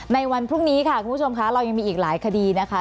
ในวันพรุ่งนี้ค่ะคุณผู้ชมค่ะเรายังมีอีกหลายคดีนะคะ